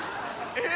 えっ？